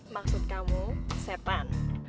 maksud kamu setan